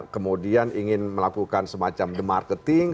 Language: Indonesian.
kemudian ingin melakukan semacam demarketing